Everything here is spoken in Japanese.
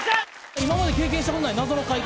今まで経験したことない謎の快感。